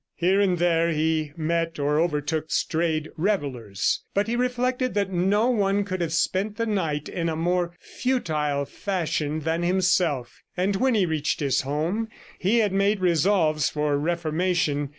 Here and there he met or overtook strayed revellers, but he reflected that no one could have spent the night in a more futile fashion than himself; and when he reached his home he had made resolves for reformation.